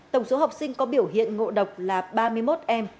tổng số học sinh có biểu hiện ngộ độc là ba mươi một em